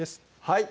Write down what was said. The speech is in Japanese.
はい